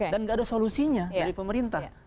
dan nggak ada solusinya dari pemerintah